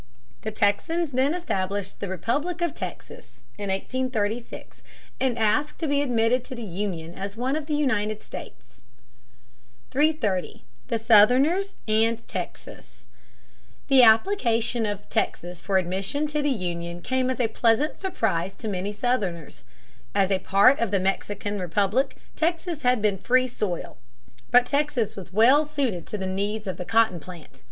The Texans then established the Republic of Texas (1836) and asked to be admitted to the Union as one of the United States. [Sidenote: Question of the admission of Texas to the Union.] 330. The Southerners and Texas. The application of Texas for admission to the Union came as a pleasant surprise to many Southerners. As a part of the Mexican Republic Texas had been free soil. But Texas was well suited to the needs of the cotton plant.